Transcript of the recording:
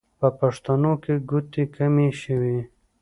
په پښتنو کې ګوتې کمې شوې.